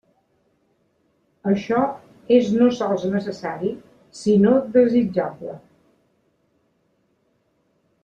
Això és no sols necessari, sinó desitjable.